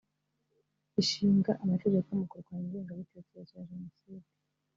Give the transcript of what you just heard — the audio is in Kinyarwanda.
ishinga amategeko mu kurwanya ingengabitekerezo ya jenoside